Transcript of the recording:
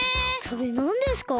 それなんですか？